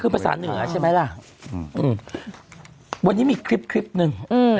คือภาษาเหนือใช่ไหมล่ะวันนี้มีคลิปคลิปหนึ่งอืม